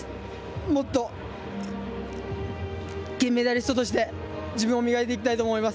もっと金メダリストとして自分を磨いていきたいと思います。